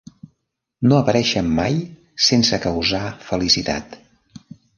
No apareixen mai sense causar felicitat.